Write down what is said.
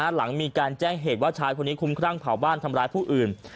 หลังมีการแจ้งเหตุว่าชายคนนี้คุ้มครั่งเผาบ้านทำร้ายผู้อื่น